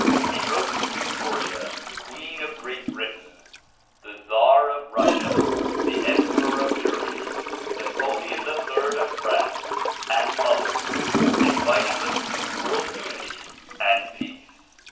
He wrote to Victoria queen of Great Britain, the czar of Russia, the emperor of Germany, Napoleon III of France, and others, inviting them to world unity and peace.